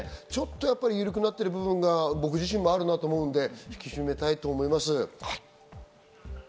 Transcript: ゆるくなってる部分が僕自身もあると思うので引き締めたいと思います。